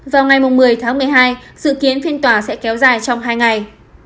vào ngày một mươi tháng một mươi hai dự kiến phiên tòa sẽ kéo dài trong hai ngày